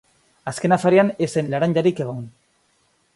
Azken afarian ez zen laranjarik egon.